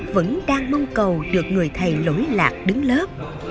vẫn đang mong cầu được người thầy lỗi lạc đứng lớp